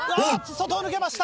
外を抜けました。